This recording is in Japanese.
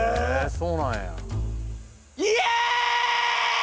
そうなんや。